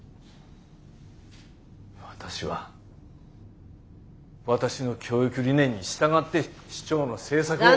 私は私の教育理念に従って市長の政策を。